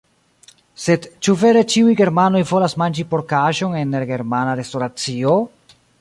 Sed ĉu vere ĉiuj germanoj volas manĝi porkaĵon en negermana restoracio?